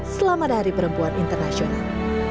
selamat hari perempuan internasional